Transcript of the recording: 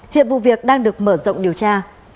hiện vụ việc đang được mở rộng điều tra